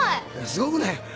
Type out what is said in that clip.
すごくないよ。